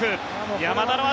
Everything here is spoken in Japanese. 山田の足！